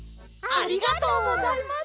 ありがとうございます。